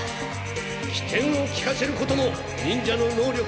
き転をきかせることも忍者の能力の一つだ！